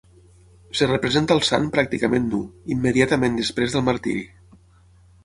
Es representa al sant pràcticament nu, immediatament després del martiri.